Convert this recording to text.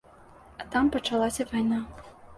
А там пачалася вайна.